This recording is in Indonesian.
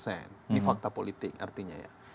ini fakta politik artinya ya